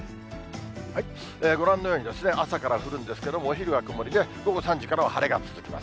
ご覧のように、朝から降るんですけれども、お昼は曇りで、午後３時からは晴れが続きます。